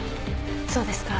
そうですか。